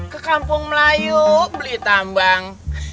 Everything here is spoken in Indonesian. ke kampung melayu beli tambang